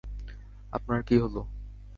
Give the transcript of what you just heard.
আপনার কী হলো?